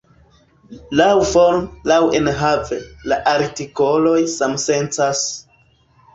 Laŭforme, laŭenhave, la artikoloj samsencas.